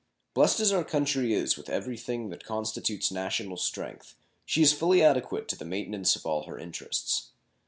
Blessed as our country is with every thing which constitutes national strength, she is fully adequate to the maintenance of all her interests.